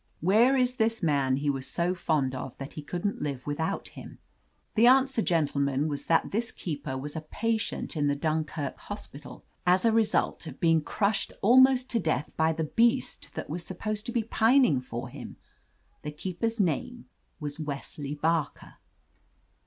Where is this man he was so fond of that he couldn't live with out him? The answer, gentlemen, was that this keeper was a patient in the Dunkirk hos pital, as the result of being crushed almost to death by the beast that was supposed to be pining for him ! The keeper's name was Wes ley Barker!"